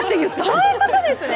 そういうことですね。